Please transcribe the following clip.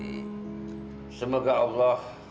memberikan rezeki yang banyak ya